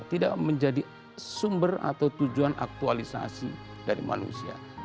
tidak menjadi sumber atau tujuan aktualisasi dari manusia